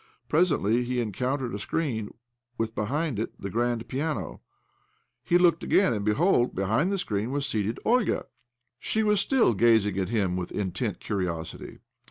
Presently he encountered a screen, with behind it, the grand piano. He looked again — and be hold, behind the screen was seated Olga l She was still gazing at him with intent curiosity.